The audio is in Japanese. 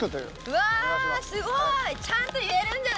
うわすごい！